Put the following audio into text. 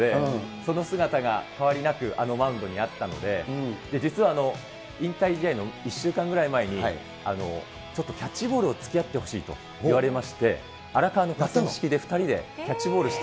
その姿が変わりなくあのマウンドにあったので、実は引退試合の１週間ぐらい前に、ちょっとキャッチボールをつきあってほしいと言われまして、荒川の河川敷で２人でキャッチボールして。